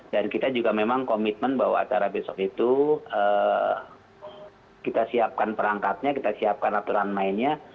dan kita juga memang komitmen bahwa acara besok itu kita siapkan perangkatnya kita siapkan aturan mainnya